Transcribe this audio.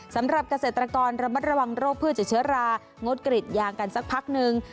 สำหรับเกษตรกรระมัดระวังโรคพืชจากเชื้อรางดกรีดยางกันสักพักนึง